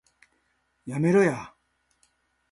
やめろや